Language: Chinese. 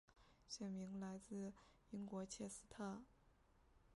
县名来自英国切斯特。